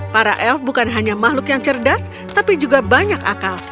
para elf bukan hanya makhluk yang cerdas tapi juga banyak akal